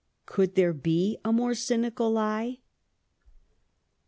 Could there be a more cynical lie